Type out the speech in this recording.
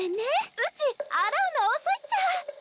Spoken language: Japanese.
うち洗うの遅いっちゃ。